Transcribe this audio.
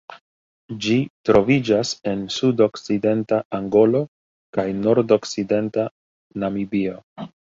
Ĝi troviĝas en sudokcidenta Angolo kaj nordokcidenta Namibio.